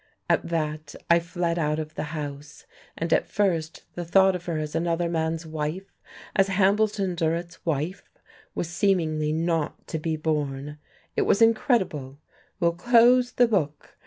At that I fled out of the house, and at first the thought of her as another man's wife, as Hambleton Durrett's wife, was seemingly not to be borne. It was incredible! "We'll close the book."